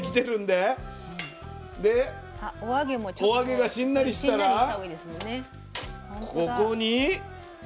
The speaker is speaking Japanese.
でお揚げがしんなりしたらここに。